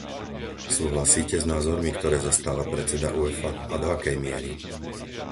Súhlasíte s názormi, ktoré zastáva predseda Uefa, a do akej miery?